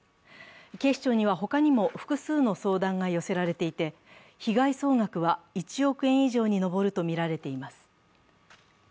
警視庁には、他にも複数の相談が寄せられていて、被害総額は１億円以上に上るとみられています。